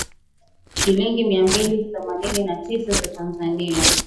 Ishirini na tatu) na shilingi mia mbili thamini na tisa za Tanzania (Dola sufuri.